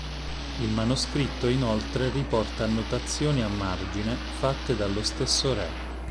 Il manoscritto inoltre riporta annotazioni a margine fatte dallo stesso re.